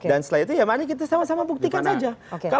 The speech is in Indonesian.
dan setelah itu ya mari kita sama sama buktikan saja